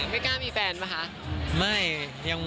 ไม่กล้ามีแฟนป่ะคะ